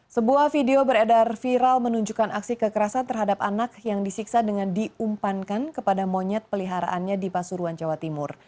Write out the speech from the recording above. sebuah video beredar viral menunjukkan aksi kekerasan terhadap anak yang disiksa dengan diumpankan kepada monyet peliharaannya di pasuruan jawa timur